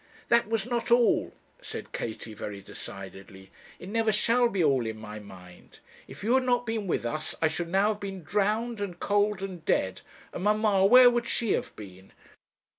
'That was not all,' said Katie, very decidedly. 'It never shall be all in my mind. If you had not been with us I should now have been drowned, and cold, and dead; and mamma! where would she have been?